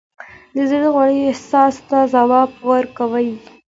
د زړه غوږ احساس ته ځواب ورکوي.